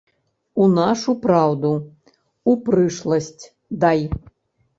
У нашу праўду, у прышласць дай.